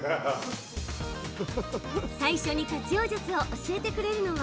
最初に活用術を教えてくれるのは。